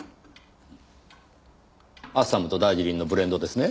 アッサムとダージリンのブレンドですね？